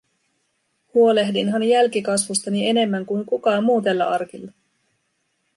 Huolehdinhan jälkikasvustani enemmän kuin kukaan muu tällä arkilla.